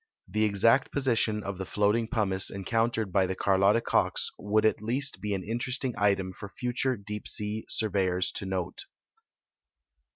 The exact position of the floating pumice encountered hy the Cnrlotta Cox would at least he an interesting item for future dee[) sea surveyors to note.